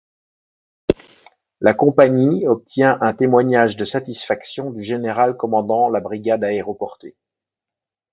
La compagnie obtient un témoignage de satisfaction du général commandant la brigade aéroportée.